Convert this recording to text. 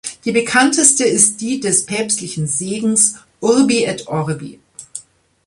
Die bekannteste ist die des päpstlichen Segens "urbi et orbi".